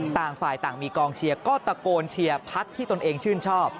ต่างฝ่ายต่างมีกองเชียร์ก็ตะโกนเชียร์พักที่ตนเองชื่นชอบ